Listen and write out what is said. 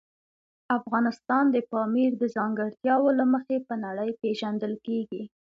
افغانستان د پامیر د ځانګړتیاوو له مخې په نړۍ پېژندل کېږي.